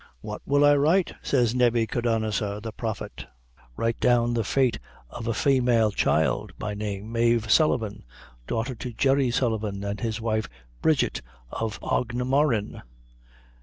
What will I write? says Nebbychodanazor, the prophet. Write down the fate of a faymale child, by name Mave Sullivan, daughter to Jerry Sullivan and his wife Bridget, of Aughnmurrin.